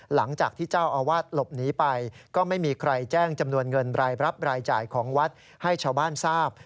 หลังจากที่เจ้าอาวาสหลบหนีไปก็ไม่มีใครแจ้งจำนวนเงินรายรับรายจ่ายของวัดให้ชาวบ้านทราบ